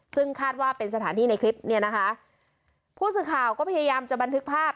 ซึ่งคาดว่าเป็นสถานที่ในคลิปเนี่ยนะคะผู้สื่อข่าวก็พยายามจะบันทึกภาพ